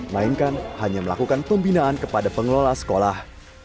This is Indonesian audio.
melainkan hanya melakukan pembinaan kepada pengelola sekolah